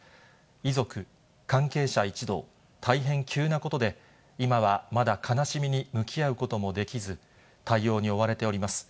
遺族、関係者一同、大変急なことで、今はまだ悲しみに向き合うこともできず、対応に追われております。